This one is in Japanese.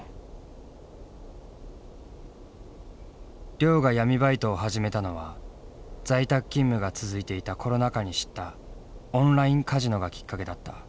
亮が闇バイトを始めたのは在宅勤務が続いていたコロナ禍に知ったオンラインカジノがきっかけだった。